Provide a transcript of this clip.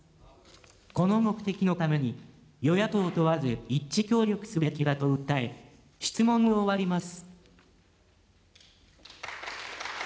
この目的のために、与野党問わず一致協力すべきだと訴え、質問を終わります。